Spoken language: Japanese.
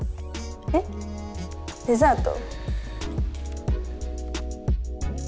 えっデザート？